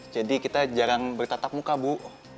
jadi kita jarang bertatap muka bu